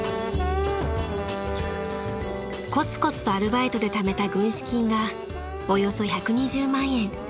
［こつこつとアルバイトでためた軍資金がおよそ１２０万円］